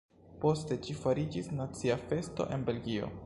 Poste ĝi fariĝis nacia festo em Belgio.